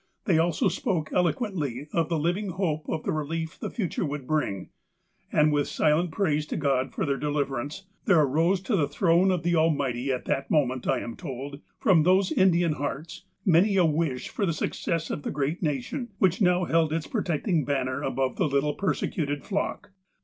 But they also spoke eloquently of the living hope of the relief the futui e would bring ; and with silent praise to God for their deliverance, there arose to the tlu'one of the Almighty at that moment, I am told, from those Indian hearts, many a wish for the success of the great Nation, which now held its protecting banner above the little persecuted flock.